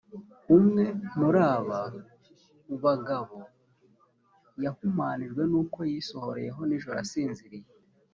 umwe muraba ubagabo yahumanyijwe n’uko yisohoreyeho nijoro asinziriye